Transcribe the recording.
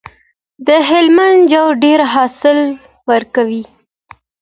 د هلمند جوار ډیر حاصل ورکوي.